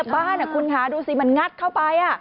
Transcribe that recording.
บ้านคุณค่ะดูสิมันงัดเข้าไป